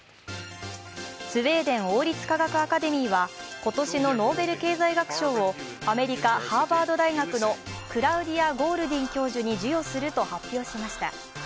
スウェーデン王立科学アカデミーは今年のノーベル経済学賞をアメリカ・ハーバード大学のクラウディア・ゴールディン教授に授与すると発表しました。